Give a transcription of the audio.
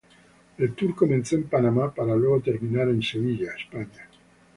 El tour comenzó en Panamá para luego terminar en Sevilla España.